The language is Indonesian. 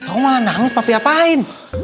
aku malah nangis papi apain